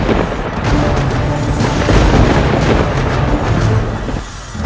atau tentang kakaknya